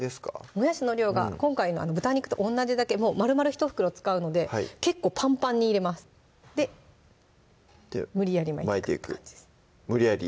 もやしの量が今回豚肉と同じだけまるまる１袋使うので結構パンパンに入れますで無理やり巻いていく感じです無理やり？